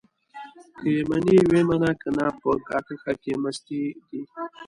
که يې منې ويې منه؛ که نه په کاکښه کې مستې دي.